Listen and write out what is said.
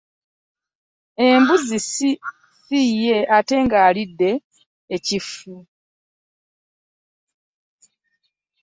Ey'embuzi siya nte nga alidde ekifu .